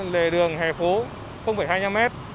lề đường hề phố hai mươi năm m